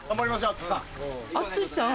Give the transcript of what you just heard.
淳さん。